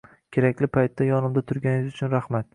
Kerakli paytda yonimda turganingiz uchun rahmat.